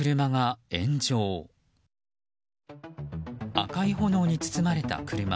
赤い炎に包まれた車。